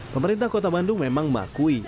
pemerintah kota bandung memang mengakui